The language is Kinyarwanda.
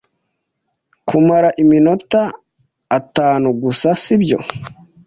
Kumara iminota atanu gusa, sibyo?